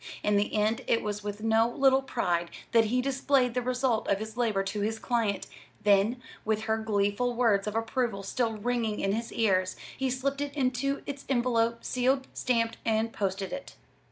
In the end it was with no little pride that he displayed the result of his labor to his client, then, with her gleeful words of approval still ringing in his ears, he slipped it into its envelope, sealed, stamped, and posted it.